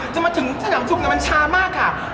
จนถึงสนามซุปแล้วมันช้ามากค่ะ